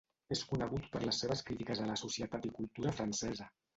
És conegut per les seves crítiques a la societat i cultura francesa.